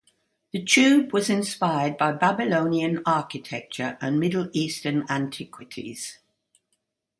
The tube was inspired by Babylonian architecture and Middle Eastern antiquities.